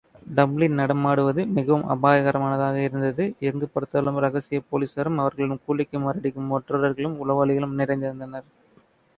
Dublin நடமாடுவது மிகவும் அபாயகரமானதாயிருந்தது எங்குபார்தாலும் இரகசிய பொலிஸாரும் அவர்களிடம் கூலிக்கு மாரடிக்கும் ஒற்றர்களும், உளவாளிகளும் நிறைந்திருந்தனர்.